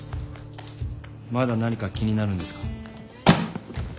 まだ何か気になるんですか？